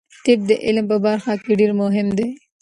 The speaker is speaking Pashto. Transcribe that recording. طب د علم په برخه کې ډیر مهم دی.